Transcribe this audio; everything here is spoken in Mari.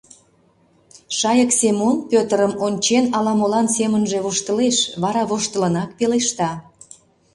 Шайык Семон, Пӧтырым ончен, ала-молан семынже воштылеш, вара воштылынак пелешта: